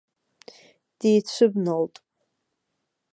Дицәыбналт.